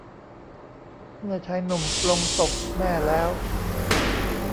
เมื่อชายหนุ่มปลงศพแม่แล้ว